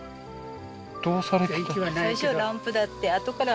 どうされてたんですか？